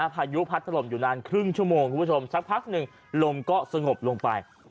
พายุพัดถล่มอยู่นานครึ่งชั่วโมงคุณผู้ชมสักพักหนึ่งลมก็สงบลงไป